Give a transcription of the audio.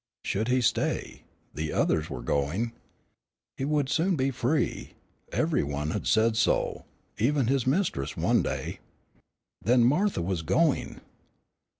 Should he stay? The others were going. He would soon be free. Every one had said so, even his mistress one day. Then Martha was going.